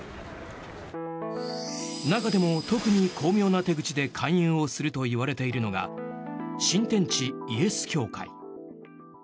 中でも、特に巧妙な手口で勧誘をするといわれているのが新天地イエス教会。